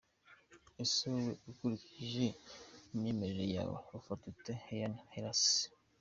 Ese wowe ukurikije imyemerere yawe, ufata ute Haile Selassie?.